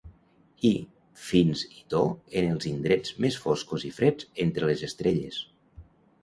I fins i to en els indrets més foscos i freds entre les estrelles.